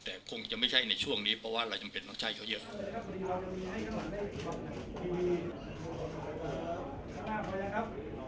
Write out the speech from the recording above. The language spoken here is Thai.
แต่คงจะไม่ใช่ในช่วงนี้เพราะว่าเราจำเป็นต้องใช้เขาเยอะ